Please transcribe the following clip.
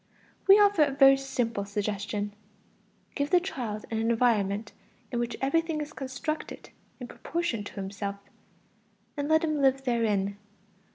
We offer a very simple suggestion: give the child an environment in which everything is constructed in proportion to himself, and let him live therein.